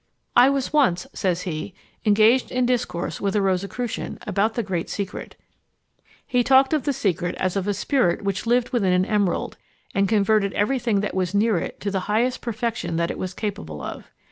"I was once," says he, "engaged in discourse with a Rosicrucian about the great secret. He talked of the secret as of a spirit which lived within an emerald, and converted every thing that was near it to the highest perfection that it was capable of.